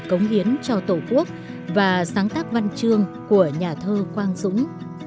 cống hiến cho tổ quốc và sáng tác văn chương của nhà thơ quang dũng